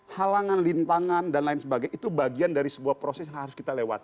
halangan lintangan dan lain sebagainya itu bagian dari sebuah proses yang harus kita lewati